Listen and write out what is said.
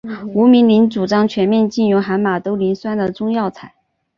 吴明铃主张全面禁用含马兜铃酸的中药材。